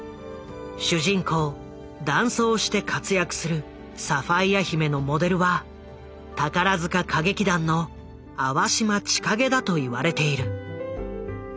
主人公男装して活躍するサファイア姫のモデルは宝塚歌劇団の淡島千景だといわれている。